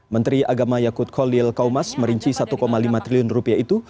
menteri agama yakut khalil kaumas merinci satu lima triliun rupiah itu